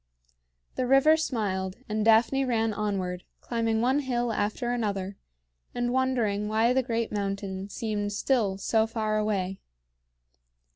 The river smiled, and Daphne ran onward, climbing one hill after another, and wondering why the great mountain seemed still so far away.